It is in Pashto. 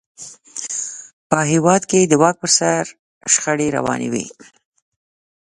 په هېواد کې د واک پر سر شخړې روانې وې.